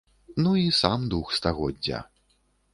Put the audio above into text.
Ну і сам дух стагоддзя.